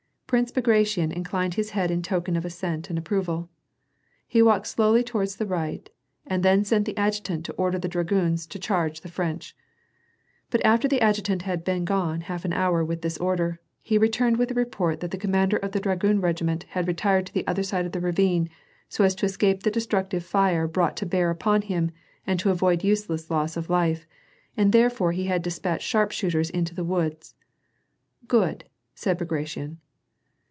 Prince Bagration inclined his head in token of assent and approval. He walked slowly toward the right, and then sent the adjutant to order the dragoons to chaise the French. But after the adjutant h.id been gone half an hour with this order, he returned with the report that the commander of the dragoon regiment had retired to the other side of the ravine, so as to escai)e the destructive fire brought to bear upon him and to avoid useless loss of life, and therefore he had despatched sharpshooters into the woods. ^Good," said Bagration.